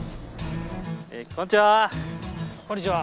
こんにちは。